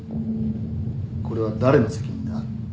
これは誰の責任だ？